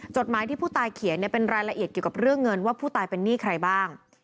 จดหมายที่ผู้ตายเขียนเป็นรายละเอียดเกี่ยวกับเรื่องเงินว่าผู้ตายเป็นหนี้ใครบ้าง